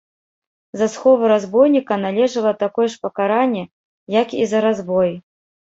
За сховы разбойніка належала такое ж пакаранне, як і за разбой.